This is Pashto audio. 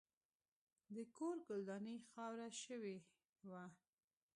د کور ګلداني خاوره شوې وه.